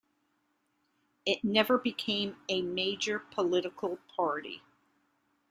It never became a major political party.